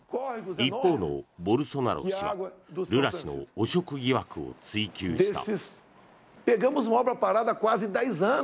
一方のボルソナロ氏はルラ氏の汚職疑惑を追及した。